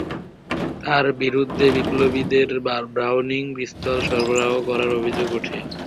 তাঁর বিরুদ্ধে বিপ্লবীদের ব্রাউনিং পিস্তল সরবরাহ করার অভিযোগ ওঠে।